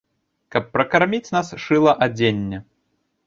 Каб пракарміць нас, шыла адзенне.